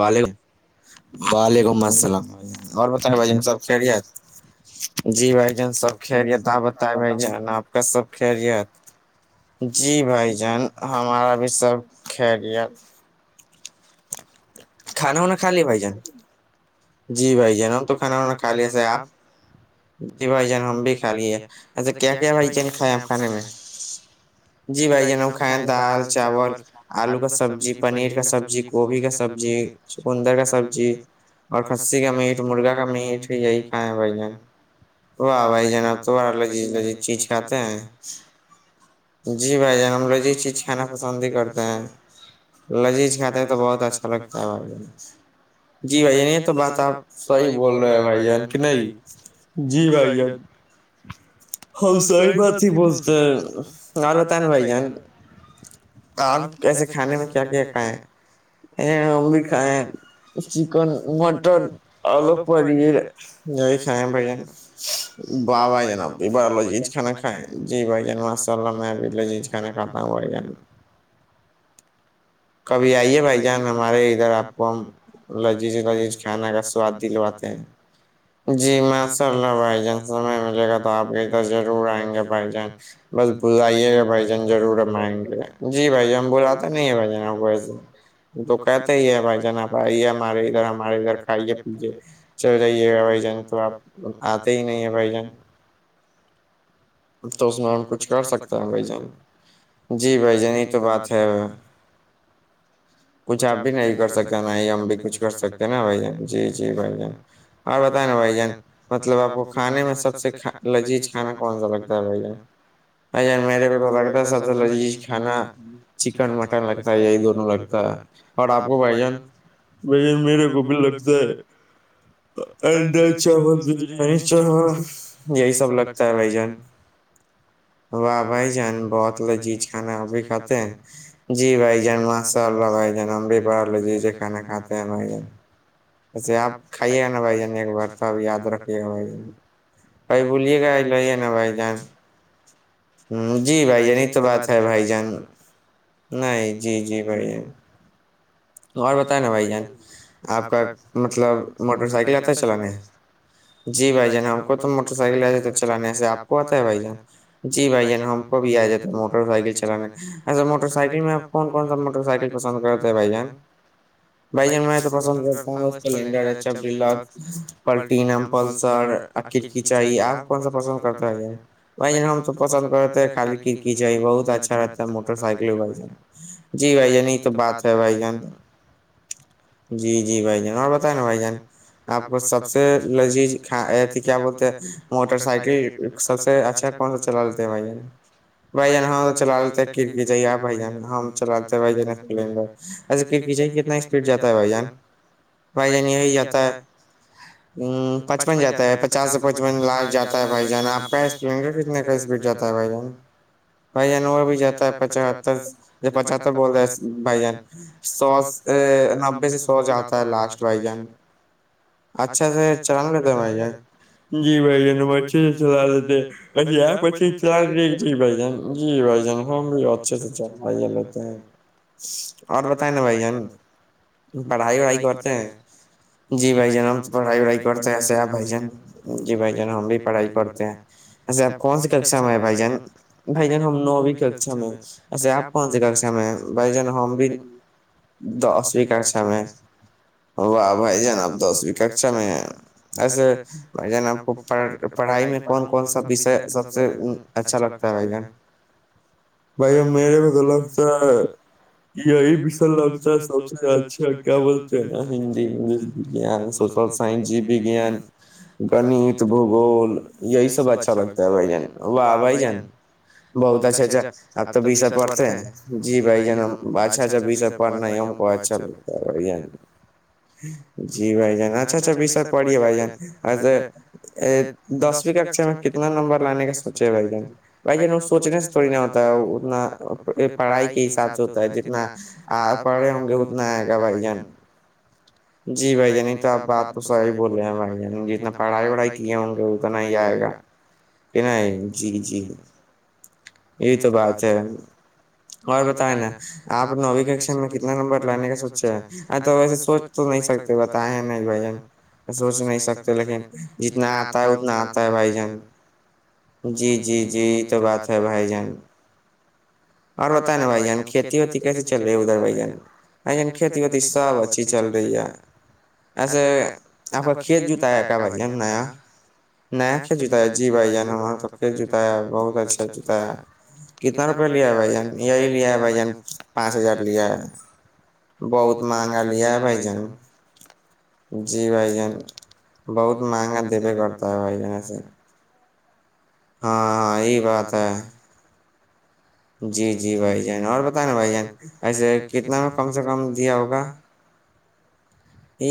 وعلیکم وعلیکم السلام ع اور بتائیں بھائی جان سب خ رہی ہیں جی بھائی جان سب کھ رہت ت آپتائے بائی جان آپ کا سب کھل رہیےت جی بھائی جان ہمارا بھی سب خیلت کھانا وناا کھا لے بھائی جان جی بھائی جناب تو کھانا وانا کھا لیا سےے آپ جی بھائی جان ہم بھی کھا لیے اچھا کیا کیا بھائی جان کھائے ہم کھانے میں جی بھائی جن ہم کھائےیں دال چاول آلو کا سبزی پنیر کا سبزی گوبھی کا سبزی چکندر کا سبزی اور کسی کا میٹ مرغا کا میٹ یہی کھا ہے بھائی جان واہ بھائی جناب توارا لذیذ لذی چیز کاتے ہیں جی بھائی جان ہم لو یہ چیز کھانا پسند ہی کرتے ہیں لذیذ کھاتا ہیں تو بہت اچھا لگتا ہے بھائی میں جی بھائی جان یہ تو بات آپ صحیح بول رہے ہیں بھائی جان کی نہیں جی بھائی جب ہم ساری بات ہی بولتے ہیں اور بت نا بھائی جان آپ کیسے کھانے میں کیا کیا کھائے ہ ہم بھی کھائیں چکن مٹن اورو پنیر یہ کائیں ب ج ب بائی جانؤ ج کانا کائے جی بھ جان ماشاء اللہ میں حب جی کانا کھات ہ بائی جان کبھی آئیے بھائی جان ہمارے ادھر آپ کو ہم لذیذ لذیذ کھانا کا سواد دلواتے تو جی ماشاء اللہ بھائی جان سمے ملے گا تو آپ ادھر ضرور آئیں گے بھائی جان بس بلائیے گا بھائین ضرور ہمبمئیں گے جی بھائی جان بلاتے نہیں بھ جن آ تو کہتے ہی ہیں بھائی جنا بھائی ہمارے ادھر ہمارے ادھر کھائیے پیے چل جائیے گا بھائی جان تو آپ آتے ہی نہیں ہیں بھائی جان تو اس میں ہم کچھ کر سکتے ہیں بھائی جان جی بھائی جانی تو بات ہے کچھ آپ بھی نہیں کر سکتے ن ہی ہم بھی کچھ کر سکتے ہیں نا بھائی جان جی جی بھائی جان اور بتائیں نا بھائی جان مطلب آپ کو کھانے میں سب سے لذیذ کھانا کون سا لگےا زابائی ج ا ار میرے کو تو لگتا ہے سب سے لذیذ کھانا چکن مٹن لگتا ہے یہی دونوں لگ تا ہے اور آپ کو بھائی جان بھ جان میرے کو بھی لگتا ہے اڈا چاول بریانی چاول یہی سب لگتا ہے بھائی جان [inaudible] واہ بھائی جان بہت ل جیز کھانا ابھی کھاتے ہیں جی بھائی جان م چل رہا بھائی جان ہم بھی باہر لے جیے کھانا کاتے ہیں بھائی جان ویسے آپ کھائیے گا نا بھائی جانی ایک بار تو اپ یاد رکھیے گا بھائی ج بھائی بولیے گ لڑے نا بھائی جان ہ جی بھائی جان تو بات ہے بھائی جان نہیں جی جی بھائی جان اور بتائے نا بھائی جان آپ کا مطلب موٹر سائیکل آتا چلانے ہے جی بھائی جان ہم کو تو موٹر سائیکل لتے تھ چلانے ایسے آپ کو آتا ہے بھائی جان جی بھائی جان ہم کو بھی آ جاتے موٹر سائیکل چلانے اا موٹر سائیکل میں کون کون سا موٹر سائکل پسند کرتے ہے بھائی جان بائ ج تو پسند کرتالینڈرچ پٹینملسر کڑکی چاہ آپ کون سا پسند کرتا ہے ہم س پسند کرتے خالی کڑکی چاہی بہت اچھا موٹر سائیکل بھائی ج جی بھائی جان یہ تو بات ہے بھائی جان جی جی بھائی جان اور بت نا بھائی جان آپ کو سب سے لذیذ کیا بولتے موٹر سائیکل سب سے اچھا کون سا چلا دیتے ہیں بھائی بھائی جان ہاں تو چلا لیتے ہیںک جائیے آپ بھائی جان ہم چلاتتے ہیں بھائی جلیں گےھا کیچے کتنا اسپیڈ جاتا ہے بھائی جان بھائی جان یہی جاتا ہے ہ پچپن جاتا ہے پچاس سے پچپن لاس جاتا ہے بھائی جان آپ کا کتنے کا اسپیڈ جاتا ہے بھائی جان بھائی جان وہ بھی جاتا ہے پچتر پچتر بول رہے ہیں بھائی جان سو نبے سے سو جاتا ہے لاسٹ بھائی جان اچھا سے چانگ ل ہو تو م جی بھائی ج بچھے چلالتےے پچ آ پچ چال رہ ج بائی ج جی بھائی جان ہم بھی اچھے سے چل لیتے ہیں اور پت ہے نا بھین پڑھائی وڑھائی کرتے ہیں جی بھ جان ہم تو پڑھائی وڑھائی کرتے ہیںسے بھ جان جی بھ جان ہم بھی پڑھائی کرتے ہیں ایسے آپ کون سی ککشا میں ہے بھائی جان بھائی جان ہم نوویں ککشا میں وسے آپ کون سی ککشا میں بھائی جن ہم بھی دسویں ککشا میں واہ بھائی جان آپ دسویں کا میں ہیں ایسے بھائی جان آپ کو پڑ پڑھائی میں کون کون سا وشے سب سے اچھا لگتا ہے بھائی جان بھائی میرے بطلفتا یہی لگتا ہے سب سے اچھا کیا بولتے ہیں نا ہندیلش س سائنس بگیان گنت بھگول یہی سب اچھا لگتا ہے بھ جان واہ بھائی جان بہت اچھا اچھا اب تو بی سا پڑتے جی بھائی ج اچھا اچھا سا پنا ہم کو چل جی بائی جان اچھا اچھاشر پڑیے بائی جان دسویں ککشا میں کتنا نمبر لانے کا سوچے بھائی جان بھائی جان وہ سوچنے سے تھوڑی نہ ہوتا ہے اتنا پڑھائی کے حساب سے ہوتا ہے ج جتنا پڑھے ہوں گے اتنا آئے گا بھائی جان جی بھائی جانی تو آپ بات تو صحیح بول رہے ہیں بھائی جانی جتنا پڑھائی وڑھائی کیے ہوں گے اتنا ہی آئے گا کہ جی جی یہ تو بات ہے اور بتائے نا آپ نے ابھی ک کتنا نمبر لانے کا سوچے ہیں ا تو ویسے سوچ تو نہیں سکتے بتیں نہیں بھ سوچ نہیں سکتے لیکن جتنا آتا ہے اتنا آتا ہے بھائی جان جی جی جی یہ تو بات ہے بھائی جان اور بت نا بھائی جان کھیتی ہوتی کیسی چ لے ادھر بھ جینن کھیتی وتی سب اچھی چل رہی رہ ایسے آپ کا کھیت جوتایا کیا بھ نیا نیا کل جوتا ہے جی بھائی جان ہمار تو ک جوتا ہے بہت اچھا جوتا ہے کتنا روپئے لیا ہے بھائی جان یہی لیا ہے بھائی جان پانچ ہزار لیا ہے بہت مہنگا لیا ہے بھائی جی بھائی جان بہت مہگا ت بائی جن سے ہاں ہاں یہ بات ہے جی جی بھائی جان اور بت نا بھائی جان ایسے کتنا میں کم سے کم دیا ہوگا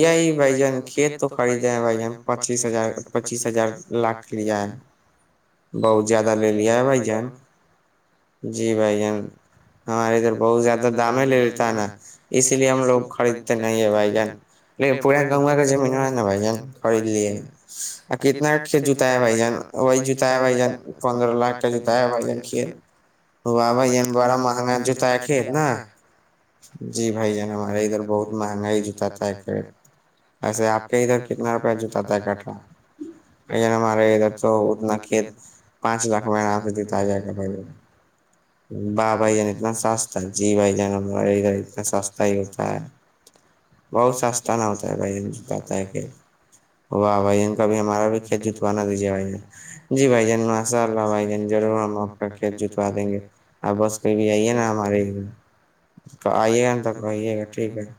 یہی بھ جان کھیت تو خریدے ہیں بھ ج پچیس ہزار پچیس ہزار لاکھ کرری ج ہے بہت زیادہ لے ل بھ جان جی بھ جان ہمارے ادھر بہت زیادہ دام ہی لے لیتا ہے نا اسی لیے ہم لوگ خریدتے نہیں ہے بھائی جان پورا گنگا کا زمین ہے نا بھائی جان خرید لیے کتناٹ کے جوتا ہے بھائی جان وہی جتایا بھائی ج پندرہ لاکھ کا جتایا بھائی جان کھیل بابا یہن بڑا مہنگا جوتا ہے کہے نا جی بھائی جان ہمارے ادھر بہت مہنگا ہی جتاتا ہے ک ویسے آپ کے ادھر کتنا روپیہ جوتا تھا کٹھا ا نے مارے ادھر تو نہ ک پانچ لاکھ م آتے دیتا آ جائے گ بھ ج با بھائی جان اتنا سستا جی بھائی جان اتنا سستا ہی ہوتا ہے بہت سستا نہ ہوتا ہے بھائی پتا ہے کہل واہ بھائی جن کا بھی ہمارا بھی کھیت جتوانا دیجیے بھائی جی بھائی جان ماشاء اللہ بھائی جان ضرور ہم کت جتوا دیں گے آپ بس کئی بھی آئیے نا ہمارے اھر آئیے گا ن تک آئیے گا ٹھیک ہے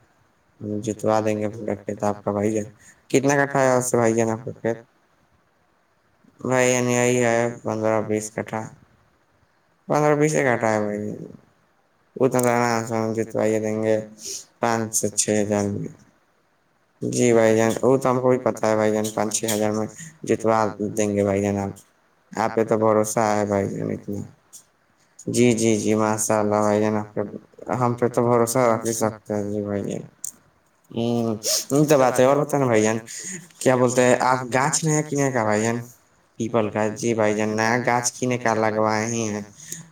ہم جتوا دیں گے پورا کھیت آپ کا بھائی جان کتنا کٹھا ہے اس سے بھائی جان آپ کا کھیت بھائی یہی ہے پندرہ بیس کٹھا پندرہ بیس ہی کاٹا ہے بھائی اتناام س ہم جتوائیے دیں گے پانچ سے چھ ہزار میں جی بھ جان وہ تو ہم کو بھی پتا ہے بھائی جان پانچ چھ ہزار میں جتوا دیں گے بھائی جان آ آپہ تو بھروسہ ہے بھائی جان اتنے جی جی جی ماں صاحب بھائی ج ہم پہ تو بھروسہ رکھ ہی سکتے ہیں جی بھائی جن ہ یہ تو بات ہے اور بت نا بھائی جان کیا بولتے ہیں آپ گاچ نیا کنے کا بھ جان پیپل کا جی بھائی جان نیا گاچ کنے کا لگوا ہی ہیں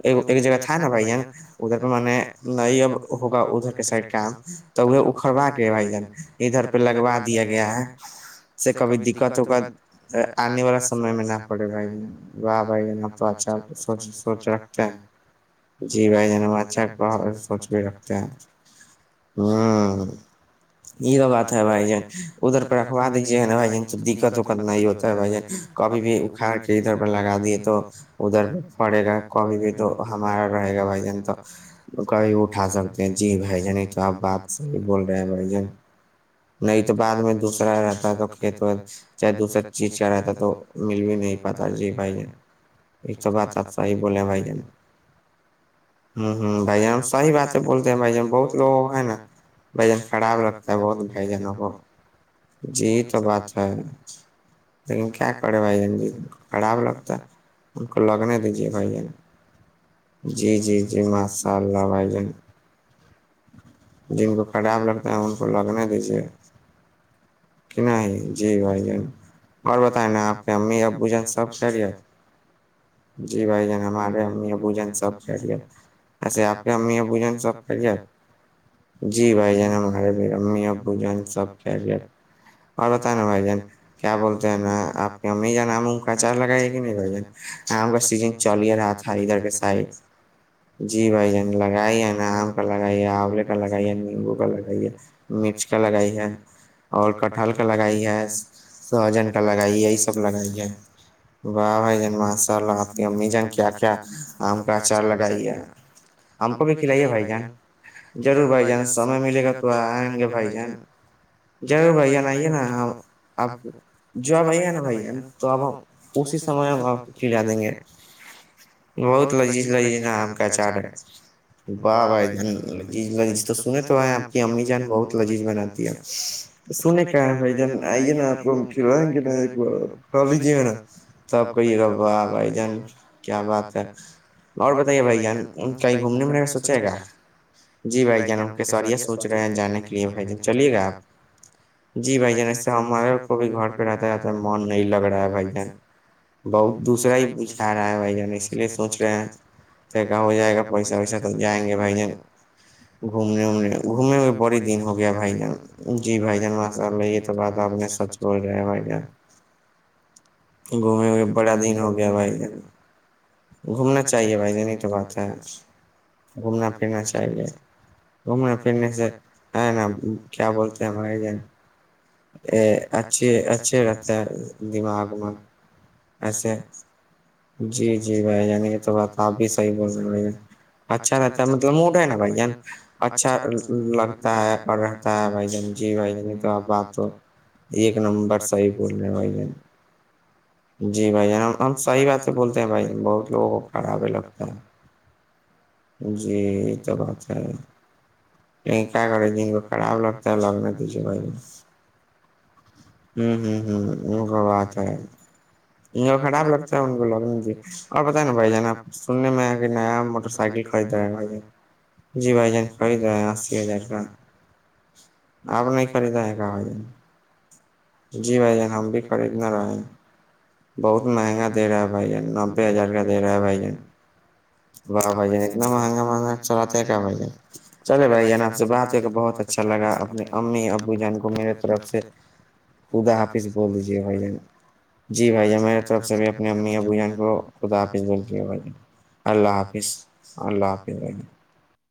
ا ایک جگہ تھا نا بھائی ان ادھر پہ میں نے نہیں اب ہوگا ادھر کے سائڈ کام تو وہ اکھڑوا کے بھائی جان ادھر پہ لگوا دیا گیا ہے سے کبھی دقت وقت آنے والا سمے میں نہ پڑے بھائی ج واہ بھائی جن آبھ سوچی س سوچ رکھتے ہیں جی بھائی جن اچھا ب کوچ بھی رکھتے ہیں ہ یہ تو بات ہے بھائی جن ادھر پہ رکھوا دیجیے نا بھائی ج تو دقت وقت نہیں ہوتا ہے بھائی جان کبھی بھی اکھھاڑ کے ادھر پہ لگا دیے تو ادھر پہ پڑے گا کبھی بھی تو ہمارا رہے گا بھائی جن تو کبھی اٹھا سکتے ہیں جی بھائی جن تو آپ بات صحیح بول رہے ہیں بھائی جن نہیں تو بعد میں دوسرا رہتا تو کھیت وت چاہے دوسرا چیز کا رہتا تو مل بھی نہیں پتہ جی بھائی جیں ایک تو بات ہیی بولیں بھائی جان ہوں ہ بھائی جان ہم سحی باتیں بولتے ہیں بھائی جان بہت لوگ ہیں نا بھ جن خراب لگتا ہے بہت بھائی جانوں کو جی تو بات ہے لیکن کیا کرے بھائی جن جی خراب لگتا ہے ان کو لگنے دیجیے بھائی جان جی جی جی ماشاء اللہ بھائی جان جن کو کراب لگتا ہے ان کو لگنے دیجیے کین جی بھائی جن اور بتائ نا آپ کے امی ابو جن سب کہہ رہی ہے جی بھائی جن ہمارے ہم بوجن سب پ گیا ایسے آپ کے امی پوجن سب کر جائے جی بھائی جنم ہمارے ا بوجن سب کیا ج اور بتان نا بھائی جان کیا بولتے ہیں نا آپ کی امی نموم کا اچار لگائیے کہ نہیں بھائی جان آم کا سیزن چل ہی رہا تھا ادھر کے سائڈ جی بھائی ج لگائی ہے نا آم کا لگا لگائی ہے آولے کا لگائی ہے نیمبو کا لگائی مرچ کا لگائی ہے اور کٹہل کا لگائی ہے سہجن کا لگائی ہے یہ سب لگائی ہے واہ بھائی جان ماںساءلہ آپ کی امی جان کیا کیا آم کا اچار لگائیے ہم کو بھی کھلائیے بھائی جان ضرور بھائی جان سمے ملے گا تو آئیں گے بھائی جان جان ضرور بھ جان آئیے نا ہم آپ کو جو اب آئ گ ہیں نا بھان تو اب ہم اسی سمے ہم آپ کو کھ لے دیں گے بہت لذیذ لذیذ ن آم کا اچار ہے ب بھائی ج لی لی تو سننے تو آ آپ کی امی جان بہت لذیذ بناتی ہے سنیں کیا ہے بھائی جان آئیے نا آپ کو ہم کھلائیں گے نا ایک کھ لیجیے گا نا تب کہیے گا واہ بھائی جان کیا بات ہے اور بتائیے بھائی جان کہیں گھومنے میںلے گا سوچے گا جی بھائی جانم کے سوریہ سوچ رہے ہیں جانے کے لیے بھائی جان چلیے گا آپ جی بھائی جان ایسے ہمارے کو بھی گھر پہ رہتا رہتا ہے من نہیں لگ رہا ہے بھائی جان بہت دوسرا ہی بجھا رہا ہے بھ جن اسی لیے سوچ رہے ہیں یکا ہو جائے گا پیسہ ویسہ تو جائیں گے بھائی جان گھومنے وومنے گھومنے ہوئے بڑی ہو گیا بھائی جان جی بھائی جان ماشاء اللہ یہ تو بات آپ نے سچ بول رہے ہیں بھائی جان گھومے ہوئے بڑا دن ہو گیا بھائی جانا گھومنا چاہیے بھائی جنی تو بات ہے گھومنا پھرنا گھومنے پھرنے سے ہے ن کیا بولتے ہیں بھائی جان ا اچھھی اچھے رہتا ہے دماغ وماغ ایسے جی جی بھائی جان یہ تو بات آپ بھی صحیح بول رہے ہیں اچھا رہتا ہے مطلب موڈ ہے نا بھین اچھا لگتا ہے اور رہتا بھائی جان جی بھائی ج تو اپ بات تو ایک نمبر سے ہی بول رہے ہیں بھائی جان جی بھائی جان ہم ہم صحی باتیں بولتے ہیں بھائی جان بہت لوگوں کو خراب ہے لگتا ہے [inaudible] جی تو بات ہے نہیں کیا کرا تھ کو خراب لگتا ہے لگن تج بھائی ہوں ہوں ہ وہ تو بات ہے یہ خراب لگتا ہے ان کو لگنے کی اور پت ہے نا بھائی جانا سننے میں کہ نیا موٹر سائکل خرید رہا ہیں ب جی بھائی جان خرید رہے ہیں ہار ک آپ نہیں خریدا ہے گ جی بھائی جان ہم بھی خریدنے رہے ہیں بہت مہنگا دےا ہے بھائی جان نبے ہزار کا دے رہا ہے بھائی جان واہ بھائیان اتنا مہنگا مہنگا چلاتے ہے کیا بھائی چلے بھائی جان آ سے بات ہو کہ بہت اچھا اچھا لگا اپنی امی ابو جان کو میرے طرف سے خدا حافظ بول دیجیے بھ جان جی بھیا میے طرف سے بھی اپنی امی یا بھ جان کو خا آاپس بولتی ہ ہو بھائی اللہ حافظ اللہ حافظ بھائیے